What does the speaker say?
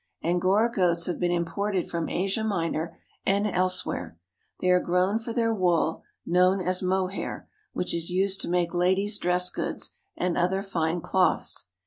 Angora goats have been imported from Asia Minor and elsewhere. They are grown for their wool, known as mohair, which is used to make ladies' dress goods and other fine cloths.